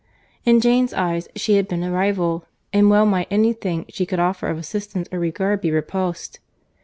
—In Jane's eyes she had been a rival; and well might any thing she could offer of assistance or regard be repulsed.